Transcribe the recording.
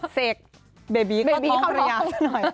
เสกเบบีเข้าท้อง